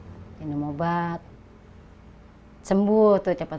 jadi diurut dulu pas habis diurut kan saya bawa periksa ke bidan minum obat